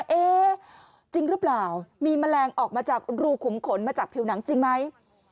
เอ๊ะจริงหรือเปล่ามีแมลงออกมาจากรูขุมขนมาจากผิวหนังจริงไหม